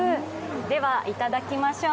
ではいただきましょう。